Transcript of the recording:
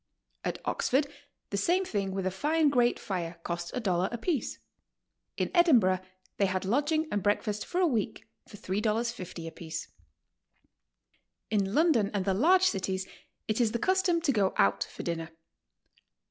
At Oxford the same thing with a fine grate fire cost a dollar apiece. In Edinburgh they had lodging and breakfast for a week for $3.50 apiece. In London and the large cities it is the custom to go out for dinner.